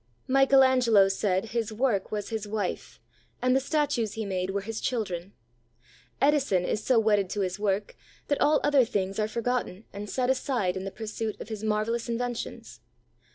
Michael Angelo said his work was his wife and the statues he made were his children. Edison is so wedded to his work that all other things are forgotten and set aside in the pursuit of his marvelous inventions.